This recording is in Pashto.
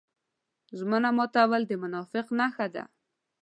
ژمنه ماتول د منافق نښه ده.